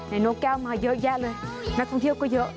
นกแก้วมาเยอะแยะเลยนักท่องเที่ยวก็เยอะ